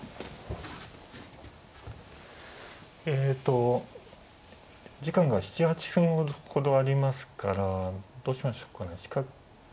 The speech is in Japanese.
えと時間が７８分ほどありますからどうしましょうかね。